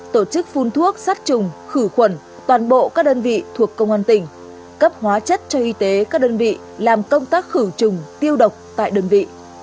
tổ chức phun thuốc sát trùng khử khuẩn toàn bộ các đơn vị thuộc công an tỉnh cấp hóa chất cho y tế các đơn vị làm công tác khử trùng tiêu độc tại đơn vị